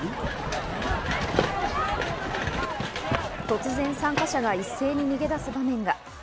突然、参加者が一斉に逃げ出す場面が。